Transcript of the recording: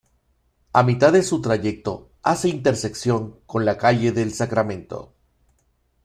A mitad de su trayecto hace intersección con la calle del Sacramento.